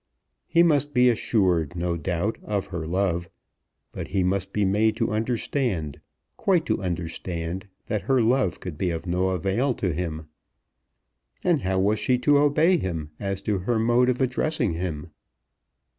He must be assured, no doubt, of her love; but he must be made to understand, quite to understand, that her love could be of no avail to him. And how was she to obey him as to her mode of addressing him?